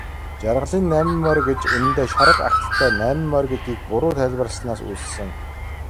Жаргалын найман морь гэж үнэндээ шарга агттай найман морь гэдгийг буруу тайлбарласнаас үүссэн.